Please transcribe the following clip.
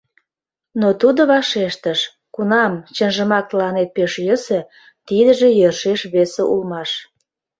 — Но тудо вашештыш: кунам чынжымак тыланет пеш йӧсӧ, тидыже йӧршеш весе улмаш...